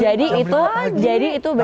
jadi itu bener bener